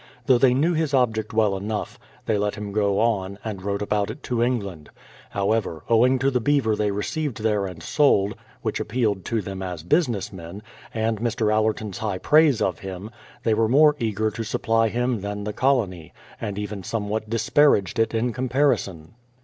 Though they knew his object well enough, they let him go on, and wrote about it to England. However, owing to the beaver they received there and sold (which appealed to them as business men) and Mr. Allerton's high praise of him, they were more eager to supply him than the colony, and even somewhat disparaged it in comparison.